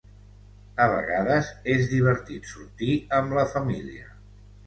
A vegades és divertit sortir amb la família.